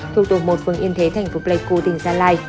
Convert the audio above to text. thuộc tổng một phương yên thế thành phố pleiku tỉnh gia lai